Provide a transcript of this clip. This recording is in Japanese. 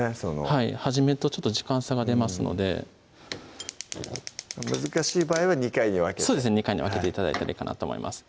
はい初めと時間差が出ますので難しい場合は２回に分けて２回に分けて頂いたらいいかなと思います